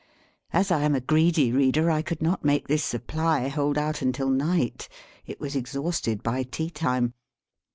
As I am a greedy reader, I could not make this supply hold out until night; it was exhausted by tea time.